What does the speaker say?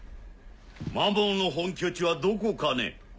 マモーの本拠地はどこかね？